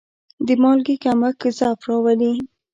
د مالګې کمښت ضعف راولي.